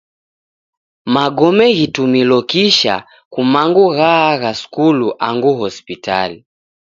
Magome ghitumilo kisha kumangu ghaagha skulu angu hospitali.